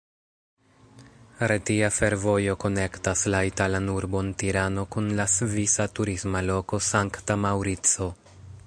Retia fervojo konektas la italan urbon Tirano kun la svisa turisma loko Sankta Maŭrico.